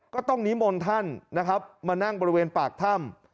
ก็ต้องนิมนต์ท่านนะครับมานั่งบริเวณปากถ้ำ